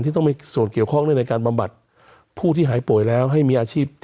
ที่ต้องมีส่วนเกี่ยวข้องด้วยในการบำบัด